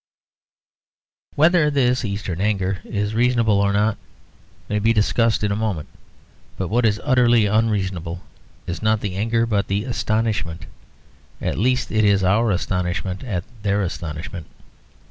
Whether this Eastern anger is reasonable or not may be discussed in a moment; but what is utterly unreasonable is not the anger but the astonishment; at least it is our astonishment at their astonishment.